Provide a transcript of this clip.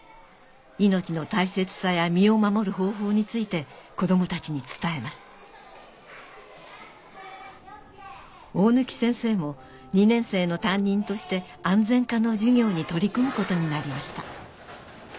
命の大切さや身を守る方法について子どもたちに伝えます大貫先生も２年生の担任として安全科の授業に取り組むことになりました